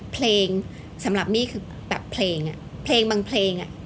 เพลงสำหรับมี่คือแบบเพลงอ่ะเพลงเพลงบางเพลงอ่ะ